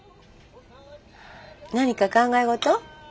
何か考え事？